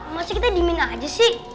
masih kita di minah aja sih